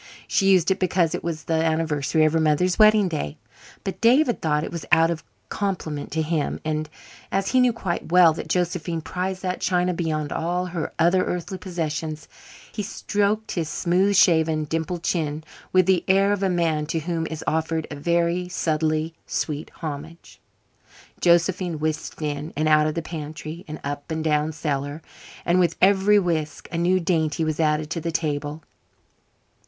She used it because it was the anniversary of her mother's wedding day, but David thought it was out of compliment to him. And, as he knew quite well that Josephine prized that china beyond all her other earthly possessions, he stroked his smooth shaven, dimpled chin with the air of a man to whom is offered a very subtly sweet homage. Josephine whisked in and out of the pantry, and up and down cellar, and with every whisk a new dainty was added to the table.